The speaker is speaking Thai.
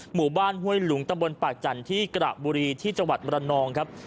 หมู่บ้านห้วยหลุงตำบลปากจันทร์ที่กระบุรีที่จังหวัดมรนองครับ